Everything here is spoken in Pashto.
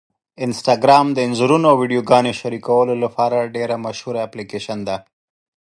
انسټاګرام د انځورونو او ویډیوګانو شریکولو لپاره ډېره مشهوره اپلیکېشن ده.